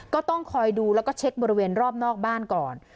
ก็ต้องคอยดูแล้วก็เช็คบริเวณรอบนอกบ้านก่อน